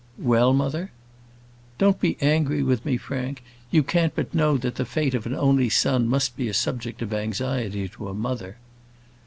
"Well, mother?" "Don't be angry with me, Frank; you can't but know that the fate of an only son must be a subject of anxiety to a mother."